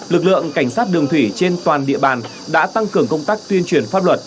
lực lượng cảnh sát đường thủy trên toàn địa bàn đã tăng cường công tác tuyên truyền pháp luật